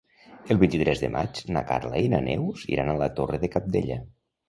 El vint-i-tres de maig na Carla i na Neus iran a la Torre de Cabdella.